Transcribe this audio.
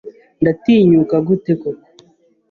Ndatinyuka gute koko